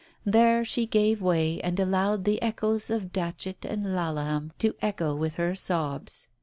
There she gave way and allowed the echoes of Datchet and Laleham to echo with her sobs.